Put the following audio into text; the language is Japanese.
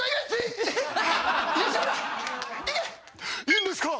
いいんですか？